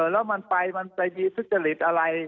แล้วมันไปมันไปมีทุจริตอะไร